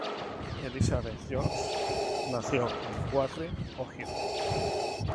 Elizabeth George nació en Warren, Ohio.